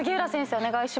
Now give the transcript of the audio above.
お願いします。